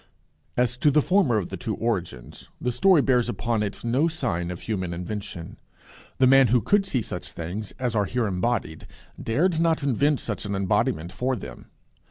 As to the former of the two origins: The story bears upon it no sign of human invention. The man who could see such things as are here embodied, dared not invent such an embodiment for them.